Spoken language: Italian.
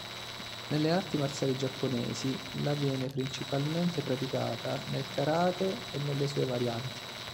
Nelle arti marziali giapponesi, la viene principalmente praticata nel karate e nelle sue varianti.